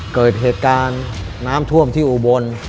เกิดเหตุการณ์น้ำท่วมที่อุบล